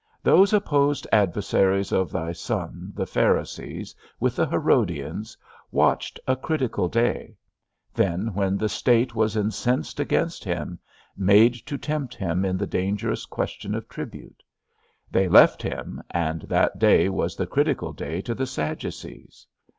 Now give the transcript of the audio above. Those opposed adversaries of thy Son, the Pharisees, with the Herodians, watched a critical day; then when the state was incensed against him, came to tempt him in the dangerous question of tribute. They left him, and that day was the critical day to the Sadducees.